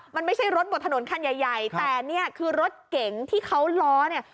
มันไม่ใช่รถบนถนนคันใหญ่ใหญ่แต่เนี่ยคือรถเก๋งที่เขาล้อเนี่ย